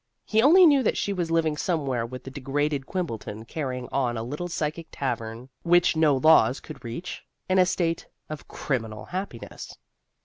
He only knew that she was living somewhere with the degraded Quimbleton, carrying on a little psychic tavern which no laws could reach, in a state of criminal happiness.